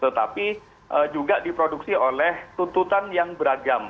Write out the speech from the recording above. tetapi juga diproduksi oleh tuntutan yang beragam